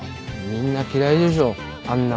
みんな嫌いでしょあんな